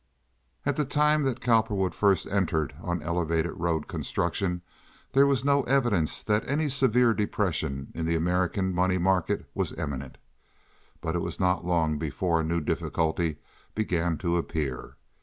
At the time that Cowperwood first entered on elevated road construction there was no evidence that any severe depression in the American money market was imminent. But it was not long before a new difficulty began to appear.